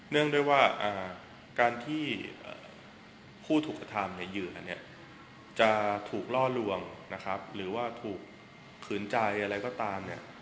ด้วยว่าการที่ผู้ถูกกระทำในเหยื่อเนี่ยจะถูกล่อลวงนะครับหรือว่าถูกขืนใจอะไรก็ตามเนี่ย